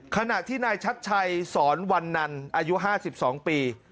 ขณะที่นายชัดชัยสอนวันนันอายุ๕๒ปี